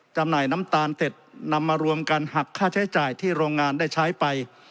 จำหน่ายน้ำตาลเสร็จนำมารวมกันหักค่าใช้จ่ายที่โรงงานได้ใช้ไป